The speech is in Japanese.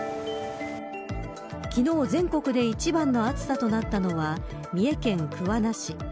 昨日全国で一番の暑さとなったのは三重県桑名市。